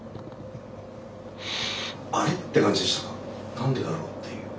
何でだろうっていう。